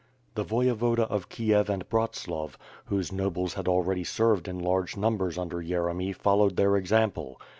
The Voyevoda of Kiev and Bratslav, whose nobles had already served in large numbers under Yeremy followed their example.